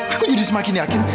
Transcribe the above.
aku jadi semakin yakin